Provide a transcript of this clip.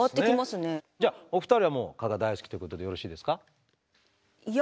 お二人はもう蚊が大好きっていうことでよろしいですか？